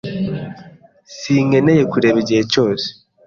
Sinkeneye kureba igihe cyose